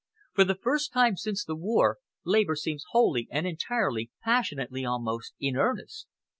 For the first time since the war, Labour seems wholly and entirely, passionately almost, in earnest.